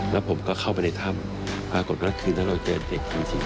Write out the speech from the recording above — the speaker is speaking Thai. แล้วผมก็เข้าไปในธรรมปรากฏวันคืนนั้นเราเจอเด็กที่มีสิทธิ์